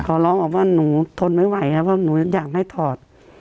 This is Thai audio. ขอร้องออกว่าหนูทนไม่ไหวครับเพราะหนูอยากให้ถอด